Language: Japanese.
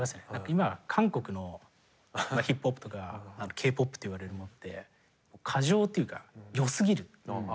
今韓国のヒップホップとかＫ−ＰＯＰっていわれるものって過剰というか良すぎる。